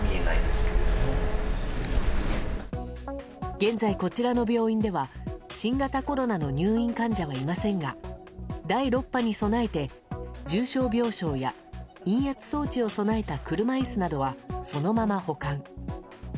現在、こちらの病院では新型コロナの入院患者はいませんが第６波に備えて重症病床や陰圧装置を備えた車椅子などは、そのまま保管。